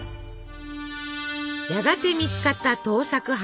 やがて見つかった盗作犯。